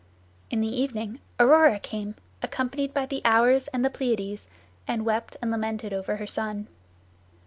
In the evening Aurora came, accompanied by the Hours and the Pleiads, and wept and lamented over her son.